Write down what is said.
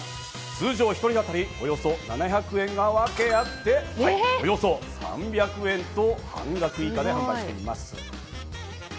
通常１人当たり７００円がワケあっておよそ３００円と半額以下で販売しています。